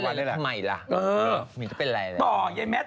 ก่อนแค่นั้นนะทำไมล่ะ